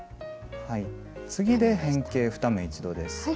次で変形２目一度です。